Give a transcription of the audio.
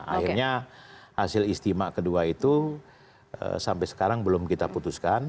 akhirnya hasil istimewa kedua itu sampai sekarang belum kita putuskan